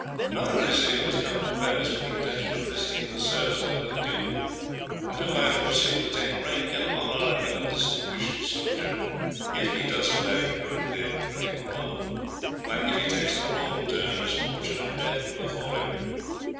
Another I see who has come to Paris with the intention of enlisting in the service of our good duke, and who, I foresee, will attain rank and honour and become a distinguished soldier if he does but act prudently at the critical moment, while if he takes a wrong turn misfortune and death will befall him.